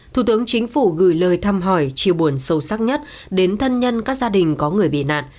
thủ tướng chính phủ gửi lời thăm hỏi chia buồn sâu sắc nhất đến thân nhân các gia đình có người bị nạn